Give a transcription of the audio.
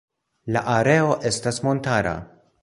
La areo estas montara.